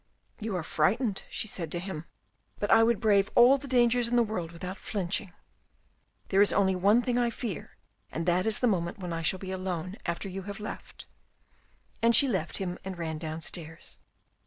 " You are frightened," she said to him, " but I would brave all the dangers in the world without flinching. There is only one thing I fear, and that is the moment when I shall be alone after you have left," and she left him and ran downstairs.